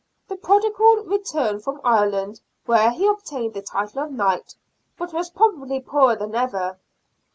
The prodigal returned from Ireland, where he obtained the title of knight, but was probably poorer than ever.